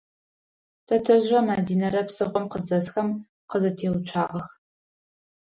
Тэтэжърэ Мадинэрэ псыхъом къызэсхэм къызэтеуцуагъэх.